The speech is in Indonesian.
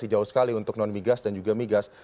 jauh sekali untuk non migas dan juga migas